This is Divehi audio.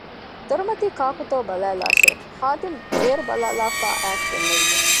ދޮރުމަތީކާކުތޯ ބަލައިބަލާށެވެ! ޚާދިމު ބޭރުބަލައިލައިފައި އައިސް ދެންނެވި